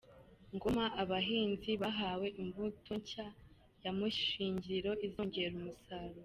Ngoma Abahinzi bahawe imbuto nshya ya mushingiriro izongera umusaruro